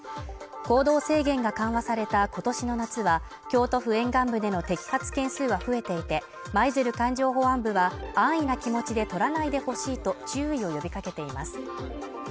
行動制限が緩和された今年の夏は京都府沿岸部での摘発件数は増えていて舞鶴海上保安部は安易な気持ちでとらないでほしいと注意を呼びかけています